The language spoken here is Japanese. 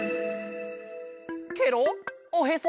ケロッおへそ？